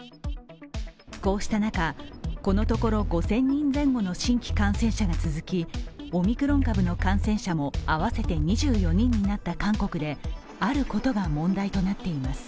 こうした中、このところ５０００人前後の新規感染者が続き、オミクロン株の感染者も合わせて２４人になった韓国であることが問題となっています。